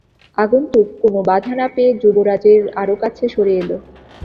আগন্তুক কোনো বাধা না পেয়ে যুবরাজের আরো কাছে সরে এল।